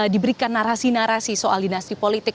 diberikan narasi narasi soal dinasti politik